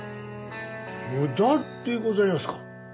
無駄でございますか？